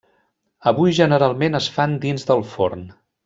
Avui generalment es fan dins del forn.